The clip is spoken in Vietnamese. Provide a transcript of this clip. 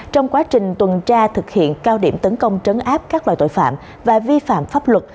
trong quá trình tuần tra thực hiện cao điểm tấn công trấn áp các loại tội phạm và vi phạm pháp luật